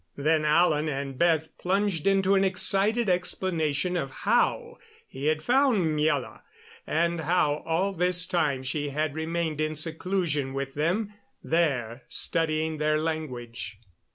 Then Alan and Beth plunged into an excited explanation of how he had found Miela, and how all this time she had remained in seclusion with them there studying their language.